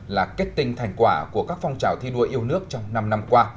là kết tinh thành quả của các phong trào thi đua yêu nước trong năm năm qua